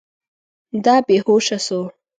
دا بې هوشه سو.